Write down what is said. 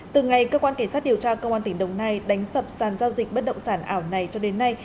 từ ngày cơ quan kỳ sát điều tra công an tỉnh đồng nai đánh sập sàn giao dịch bất động sản ảo này cho đến nay